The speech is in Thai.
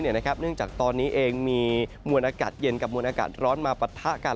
เนื่องจากตอนนี้เองมีมวลอากาศเย็นกับมวลอากาศร้อนมาปะทะกัน